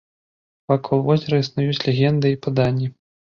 Вакол возера існуюць легенды і паданні.